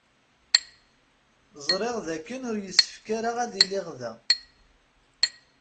Ẓriɣ d akken ur yessefk ara ad iliɣ da.